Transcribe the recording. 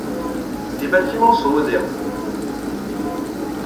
Les bâtiments sont modernes.